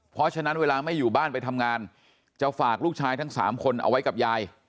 เพราะฉะนั้นเวลาไม่อยู่บ้านไปทำงานจะฝากลูกชายทั้ง๓คนเอาไว้กับยาย